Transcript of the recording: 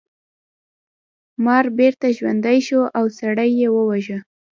مار بیرته ژوندی شو او سړی یې وواژه.